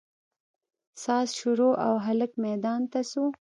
ساز شروع او هلک ميدان ته سو.